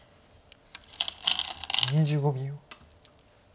２５秒。